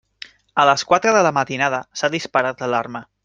A les quatre de la matinada s'ha disparat l'alarma.